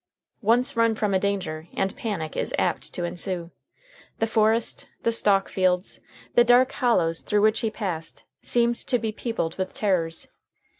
Once run from a danger, and panic is apt to ensue. The forest; the stalk fields, the dark hollows through which he passed, seemed to be peopled with terrors.